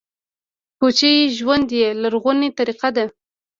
کوچي ژوند یوه لرغونې طریقه ده